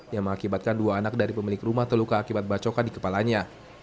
yang mengakibatkan dua anak dari pemilik rumah terluka akibat bacokan di kepalanya